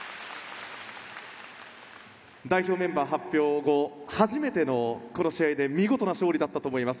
代表メンバー発表後初めての、この試合で見事な勝利だったと思います。